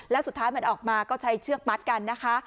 แล้วสุดท้ายมันออกมาก็ใช้เชือกมัดกันนะคะ